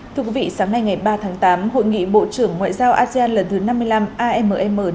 thưa quý vị sáng nay ngày ba tháng tám hội nghị bộ trưởng ngoại giao asean lần thứ năm mươi năm amm năm mươi năm